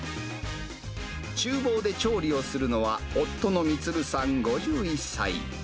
ちゅう房で調理をするのは夫の充さん５１歳。